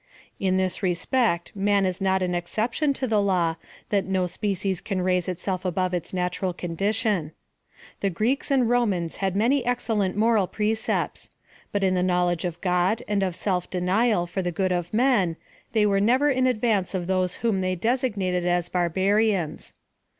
In this respect man is not an exception to the law, that no species can raise itself above its natural condition. The Gretks and Romans had many excellent moral precepts; but in the Knowledge of God and of self PLAN OF SALV aTION. 263 denial for the good of men, they were nover in advance of those whom they designated as bar barians.